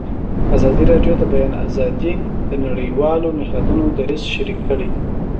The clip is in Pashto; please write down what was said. ازادي راډیو د د بیان آزادي د نړیوالو نهادونو دریځ شریک کړی.